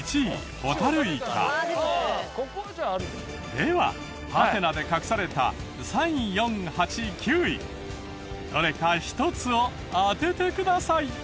ではハテナで隠された３４８９位どれか１つを当ててください。